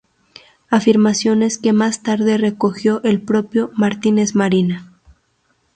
Afirmaciones que más tarde recogió el propio Martínez Marina.